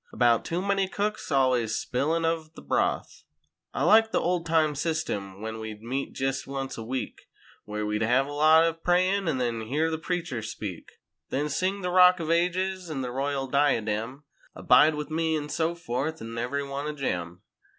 About "too many cooks a always spilin' ov the broth." 51 I like the old time system when we'd meet jest onct a week, Where we'd hev a lot ov prayin' an' then hear the preacher speak; Then, sing the "Rock ov Ages" an' the "Royal Diadem"— "Abide with Me" an' so forth, an' every one a gem.